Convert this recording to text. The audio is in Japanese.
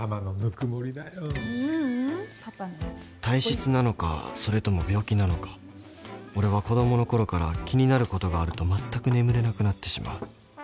［体質なのかそれとも病気なのか俺は子供のころから気になることがあるとまったく眠れなくなってしまう］